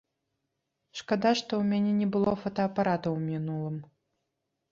Шкада, што ў мяне не было фотаапарата ў мінулым.